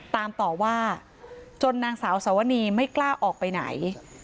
ตามต่อว่าจนนางสาวสวนีไม่กล้าออกไปไหน